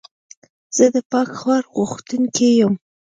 زه د پاک ښار غوښتونکی یم.